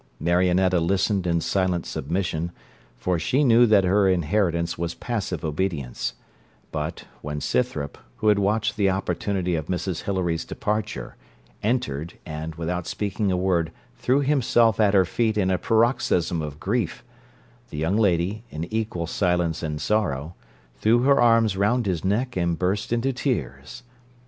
Marionetta listened in silent submission, for she knew that her inheritance was passive obedience; but, when Scythrop, who had watched the opportunity of Mrs Hilary's departure, entered, and, without speaking a word, threw himself at her feet in a paroxysm of grief, the young lady, in equal silence and sorrow, threw her arms round his neck and burst into tears.